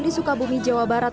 di sukabumi jawa barat